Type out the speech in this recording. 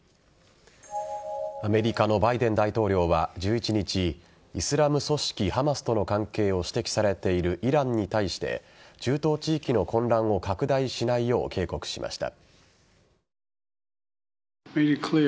アメリカのバイデン大統領は１１日イスラム組織・ハマスとの関係を指摘されているイランに対して中東地域の混乱を拡大しないよう警告しました。